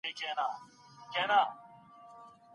موږ ستاسو سره دښمني نه لرو.